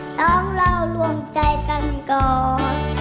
สองเรารวมใจกันก่อน